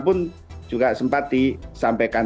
pun juga sempat disampaikan